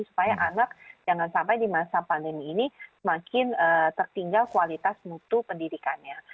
supaya anak jangan sampai di masa pandemi ini semakin tertinggal kualitas mutu pendidikannya